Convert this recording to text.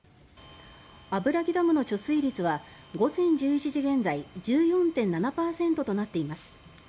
油木ダムの貯水率は午前１１時現在１４．７％となっています。